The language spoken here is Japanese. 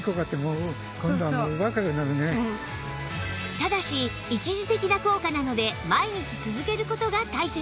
ただし一時的な効果なので毎日続ける事が大切